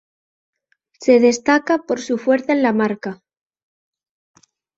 Se destaca por su fuerza en la marca.